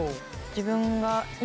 自分が今。